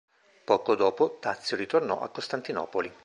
Poco dopo Dazio ritornò a Costantinopoli.